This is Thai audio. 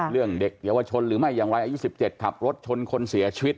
เด็กเยาวชนหรือไม่อย่างไรอายุ๑๗ขับรถชนคนเสียชีวิต